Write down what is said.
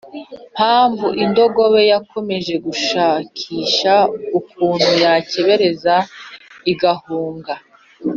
Mpamvu indogobe yakomeje gushakisha ukuntu yakebereza igahunga